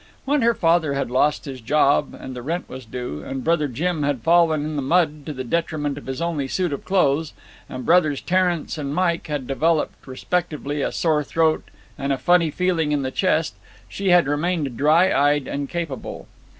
When her father had lost his job, and the rent was due, and Brother Jim had fallen in the mud to the detriment of his only suit of clothes, and Brothers Terence and Mike had developed respectively a sore throat and a funny feeling in the chest, she had remained dry eyed and capable.